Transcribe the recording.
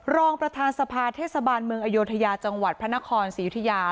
รองประธานสภาเทศบาลเมืองอโยธยาจังหวัดพระนครศรียุธิยา